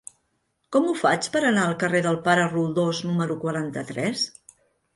Com ho faig per anar al carrer del Pare Roldós número quaranta-tres?